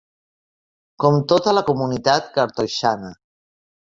Com tota la comunitat cartoixana.